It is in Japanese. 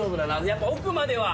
やっぱ奥までは。